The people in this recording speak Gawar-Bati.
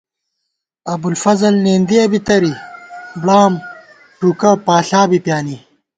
ابُوالفضل نېندِیَہ بی تَرِی ، بڑام ٹوکہ پاݪا بی پیانی